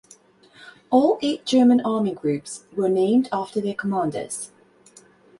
All eight German army groups were named after their commanders.